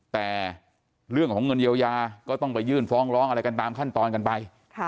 แต่เรื่องของเงินเยียวยาก็ต้องไปยื่นฟ้องร้องอะไรกันตามขั้นตอนกันไป